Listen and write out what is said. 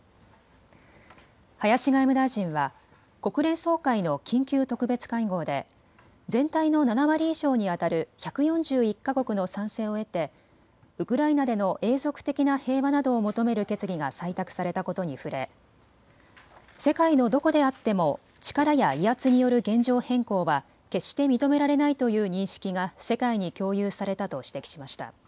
林外務大臣は国連総会の緊急特別会合で全体の７割以上にあたる１４１か国の賛成を得てウクライナでの永続的な平和などを求める決議が採択されたことに触れ世界のどこであっても力や威圧による現状変更は決して認められないという認識が世界に共有されたと指摘しました。